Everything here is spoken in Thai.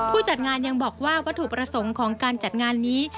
จัดงานยังบอกว่าวัตถุประสงค์ของการจัดงานนี้